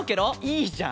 いいじゃん！